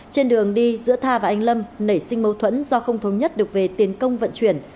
trên đường đi giữa tha và anh lâm nảy sinh mâu thuẫn do không thống nhất được về tiền công vận chuyển